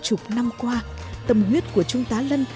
chục năm qua tâm huyết của trung tá lân